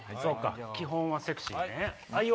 基本はセクシーね。